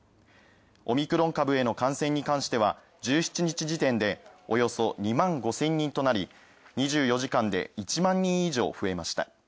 オミクロン株への感染に関しては１７日時点で、およそ２万５０００人となり、２４時間で１万人以上増えました。